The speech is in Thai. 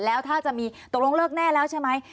แล้วถ้าจะมีตกลงเลิกแน่แล้วใช่ไหม